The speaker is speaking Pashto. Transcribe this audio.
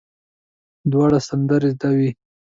دواړو سندرې زده وې.